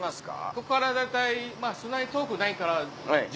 ここから大体そんなに遠くないから。